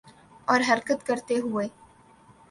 اور حرکت کرتے ہوئے